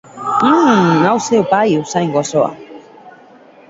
Uhmmm! Hauxe bai usain goxoa!